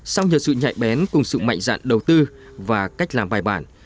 sau nhiều sự nhạy bén cùng sự mạnh dạn đầu tư và cách làm bài bản